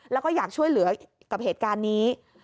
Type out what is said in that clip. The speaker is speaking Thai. แล้วก็อยากช่วยเหลือกับเหตุการณ์นี้